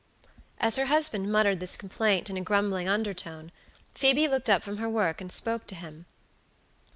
As her husband muttered this complaint in a grumbling undertone, Phoebe looked up from her work and spoke to him.